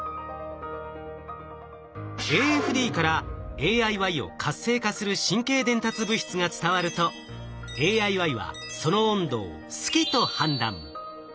ＡＦＤからＡＩＹを活性化する神経伝達物質が伝わるとＡＩＹはその温度を「好き」と判断。